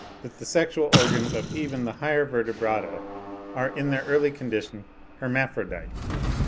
161), that the sexual organs of even "the higher vertebrata are, in their early condition, hermaphrodite."